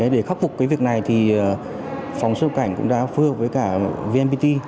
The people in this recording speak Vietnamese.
để khắc phục cái việc này thì phòng sưu cảnh cũng đã phương hợp với cả vnpt